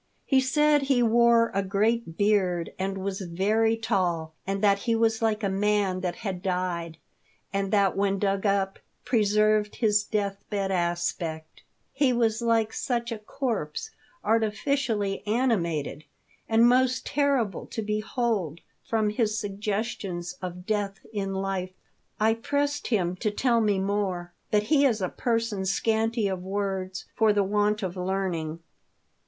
"He said he wore a great beard and was very tall, and that he was like a man that had died and that when dug up preserved his death bed aspect ; he was like such a corpse artificially animated, and most terrible to behold from his suggestions of death in life. I pressed him to tell me more, but he is a person scanty of words for the want of learning.